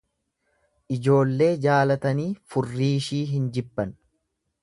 Ijoollee jaalatanii furriishii hin jibban.